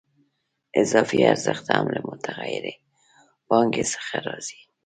اضافي ارزښت هم له متغیرې پانګې څخه راځي